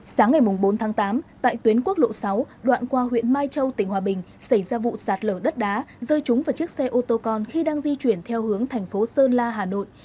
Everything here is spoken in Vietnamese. sáng ngày bốn tháng tám tại tuyến quốc lộ sáu đoạn qua huyện mai châu tỉnh hòa bình xảy ra vụ sạt lở đất đá rơi trúng vào chiếc xe ô tô con khi đang di chuyển theo hướng thành phố sơn la hà nội